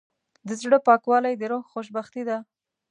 د زړه پاکوالی د روح خوشبختي ده.